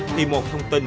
thì một thông tin